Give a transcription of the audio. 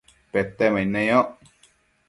Petemaid neyoc